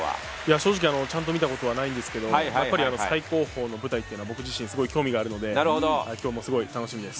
正直、ちゃんと見たことはないんですけど最後方の舞台というのは僕自身、すごく興味があるので今日もすごい楽しみです。